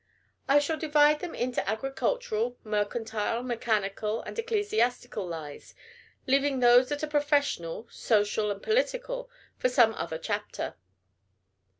I shall divide them into agricultural, mercantile, mechanical, and ecclesiastical lies; leaving those that are professional, social, and political for some other chapter.